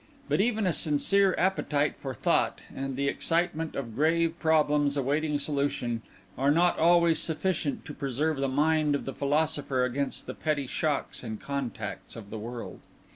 But even a sincere appetite for thought, and the excitement of grave problems awaiting solution, are not always sufficient to preserve the mind of the philosopher against the petty shocks and contacts of the world.